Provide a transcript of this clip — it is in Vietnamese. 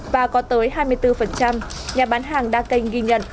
và có tới hai mươi bốn nhà bán hàng đa kênh ghi nhận